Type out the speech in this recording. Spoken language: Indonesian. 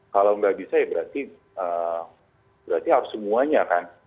kalau nggak bisa ya berarti harus semuanya kan